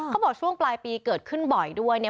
ช่วงปลายปีเกิดขึ้นบ่อยด้วยเนี่ย